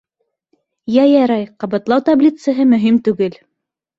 Йә ярай, ҡабатлау таблицаһы —мөһим түгел!